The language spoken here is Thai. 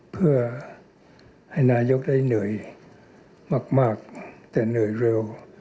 เพื่อให้นายกได้เหนื่อยมากแต่เหนื่อยเร็ว